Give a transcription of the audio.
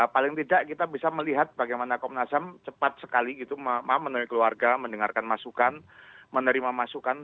yang tidak kita bisa melihat bagaimana komnasem cepat sekali menemui keluarga mendengarkan masukan menerima masukan